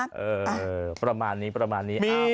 เออประมาณนี้ประมาณนี้